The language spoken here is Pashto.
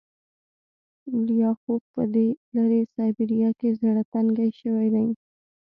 لیاخوف په دې لیرې سایبریا کې زړه تنګی شوی دی